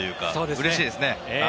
うれしいですね。